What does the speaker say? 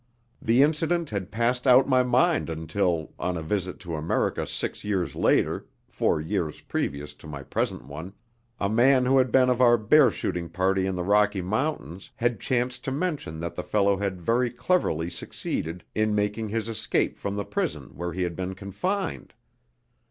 The incident had passed out my mind until, on a visit to America six years later (four years previous to my present one), a man who had been of our bear shooting party in the Rocky Mountains had chanced to mention that the fellow had very cleverly succeeded in making his escape from the prison where he had been confined.